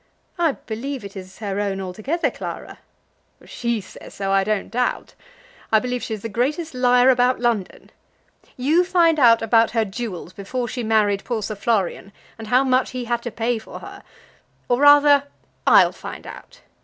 "I believe it is her own altogether, Clara." "She says so, I don't doubt. I believe she is the greatest liar about London. You find out about her jewels before she married poor Sir Florian, and how much he had to pay for her; or rather, I'll find out.